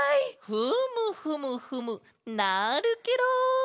フムフムフムなるケロ！